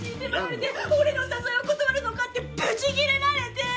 俺の誘いを断るのか！ってブチ切れられて。